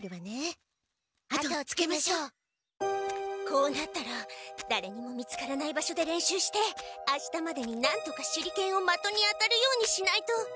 こうなったらだれにも見つからない場所で練習してあしたまでになんとか手裏剣をまとに当たるようにしないとはっ！